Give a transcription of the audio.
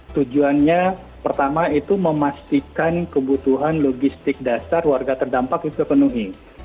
tujuannya pertama itu memastikan kebutuhan logistik dasar warga terdampak itu terpenuhi